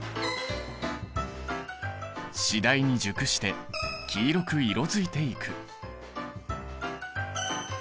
次第に熟して黄色く色づいていく。